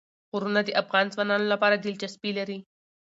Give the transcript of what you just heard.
غرونه د افغان ځوانانو لپاره دلچسپي لري.